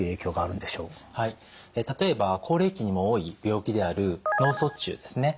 例えば高齢期にも多い病気である脳卒中ですね